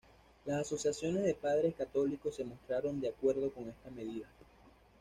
Las asociaciones de padres católicos se mostraron de acuerdo con esta medida.